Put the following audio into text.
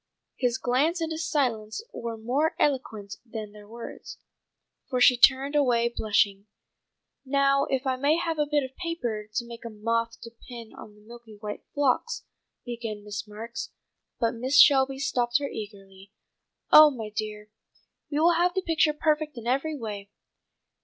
His glance and his silence were more eloquent than their words, for she turned away blushing. "Now if I may have a bit of paper to make a moth to pin on the milk white phlox," began Miss Marks, but Mrs. Shelby stopped her eagerly. "Oh, my dear, we will have the picture perfect in every way.